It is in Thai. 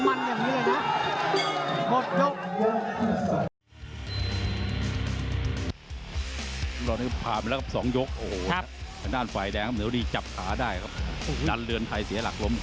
มีสะดุ้งนะครับมีสะดุ้งอีกแล้ว